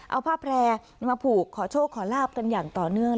เอาผ้าแพร่มาผูกขอโชคขอลาบกันอย่างต่อเนื่อง